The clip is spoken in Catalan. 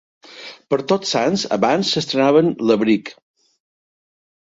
Per Tots Sants abans estrenàvem l'abric.